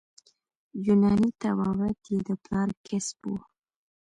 یوناني طبابت یې د پلار کسب وو.